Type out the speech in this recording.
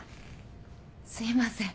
すいません。